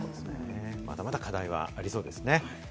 まだまだ課題はありそうですね。